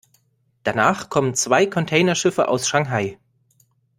Danach kommen zwei Containerschiffe aus Shanghai.